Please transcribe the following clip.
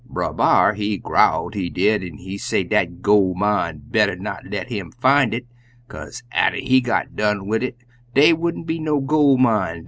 Brer B'ar, he growled, he did, an' say dat de gol' mine better not let him fin' it, kaze atter he got done wid it, dey won't be no gol' mine dar.